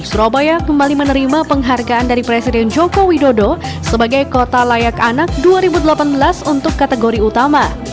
surabaya kembali menerima penghargaan dari presiden joko widodo sebagai kota layak anak dua ribu delapan belas untuk kategori utama